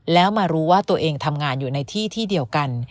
แล้วมารู้ว่าตัวเองทำงานอยู่ในที่ที่เดียวกัน